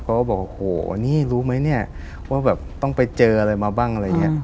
เขาก็บอกโอ้โฮนี่รู้ไหมนี่ว่าแบบต้องไปเจออะไรมาบ้าง